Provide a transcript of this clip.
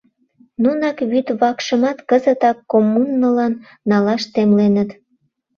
Нунак вӱд вакшымат кызытак коммунылан налаш темленыт.